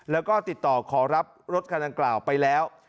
แล้วก็ติดต่อขอรับรถคำถามอย่างกล่าวไปแล้ว